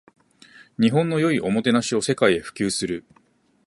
日本の良いおもてなしを世界へ普及する